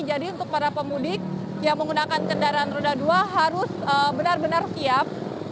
jadi untuk para pemudik yang menggunakan kendaraan roda dua harus benar benar siap